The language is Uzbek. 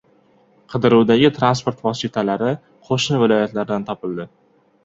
Qidiruvdagi transport vositalari qo‘shni viloyatlardan topildi